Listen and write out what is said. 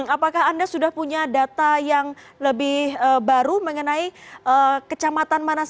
apakah anda sudah punya data yang lebih baru mengenai kecamatan mana saja